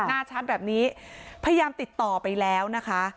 หน้าชัดแบบนี้พยายามติดต่อไปแล้วนะคะ